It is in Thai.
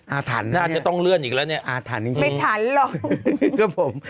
อ่าถันจริงไม่ถันหรอ